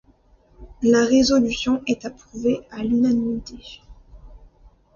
La résolution est approuvée à l'unanimité.